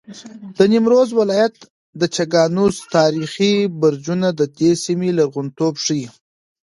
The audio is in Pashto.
د نیمروز ولایت د چګانوس تاریخي برجونه د دې سیمې لرغونتوب ښیي.